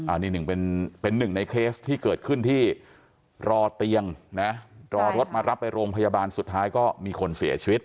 อันนี้หนึ่งเป็นหนึ่งในเคสที่เกิดขึ้นที่รอเตียงนะรอรถมารับไปโรงพยาบาลสุดท้ายก็มีคนเสียชีวิต